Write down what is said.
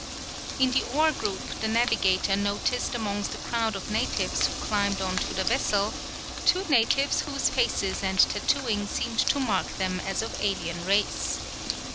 In the Aur group the navigator noticed amongst a crowd of natives who climbed on to the vessel, two natives whose faces and tattooing seemed to mark them as of alien race.